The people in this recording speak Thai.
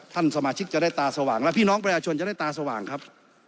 ท่านสมาชิกจะได้ตาสว่างและพี่น้องประชาชนจะได้ตาสว่างครับ